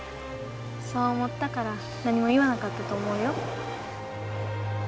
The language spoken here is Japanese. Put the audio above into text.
そう思ったから何も言わなかったと思うよ。